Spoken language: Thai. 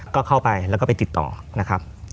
ก็เข้าไปแล้วก็ไปติดต่อนะครับ